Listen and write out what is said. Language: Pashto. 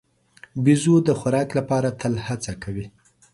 بیزو د خوراک لپاره تل هڅه کوي.